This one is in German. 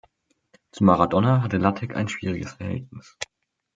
Zu Maradona hatte Lattek ein schwieriges Verhältnis.